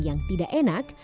yang tidak enak